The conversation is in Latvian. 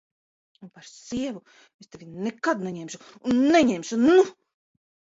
Un par sievu es tevi nekad neņemšu un neņemšu, nu!